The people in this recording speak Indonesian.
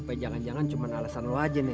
tapi jangan jangan cuma alasan lu aja nih